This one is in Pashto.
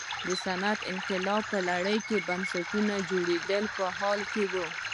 د صنعتي انقلاب په لړ کې بنسټونه د جوړېدو په حال کې وو.